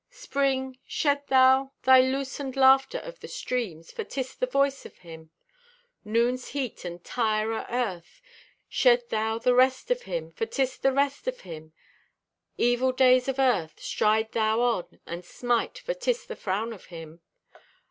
Spring, shed thou thy loosened Laughter of the streams, For 'tis the voice of Him. Noon's heat, and tire o' earth, Shed thou of rest to His, For 'tis the rest of Him. Evil days of earth, Stride thou on and smite, For 'tis the frown of Him.